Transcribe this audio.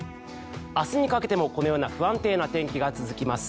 明日にかけてもこのような不安定な天気が続きます。